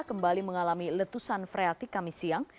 kembali mengalami letusan freatik kami siang